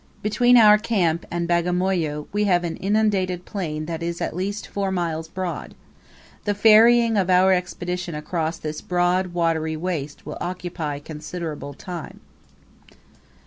Between our camp and Bagamoyo we have an inundated plain that is at least four miles broad. The ferrying of our Expedition across this broad watery waste will occupy considerable time.